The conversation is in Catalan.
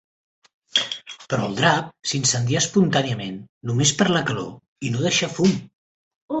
Però el drap s'incendià espontàniament només per la calor i no deixà fum.